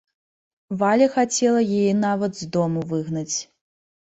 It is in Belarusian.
Валя хацела яе нават з дому выгнаць.